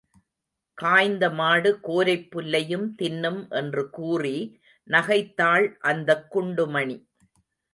காய்ந்த மாடு கோரைப் புல்லையும் தின்னும் என்று கூறி நகைத்தாள் அந்தக் குண்டுமணி.